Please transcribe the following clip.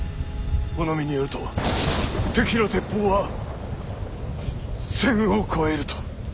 物見によると敵の鉄砲は１，０００を超えると。